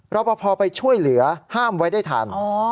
รอปภไปช่วยเหลือห้ามไว้ได้ทัน